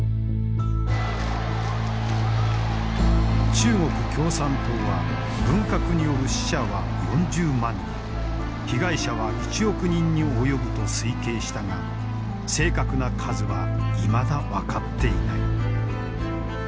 中国共産党は文革による死者は４０万人被害者は１億人に及ぶと推計したが正確な数はいまだ分かっていない。